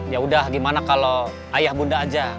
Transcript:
ya udah gimana kalau ayah bunda aja